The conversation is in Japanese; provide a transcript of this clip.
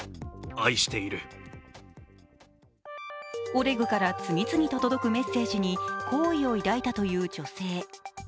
オレグから次々と届くメッセージに好意を抱いたという女性。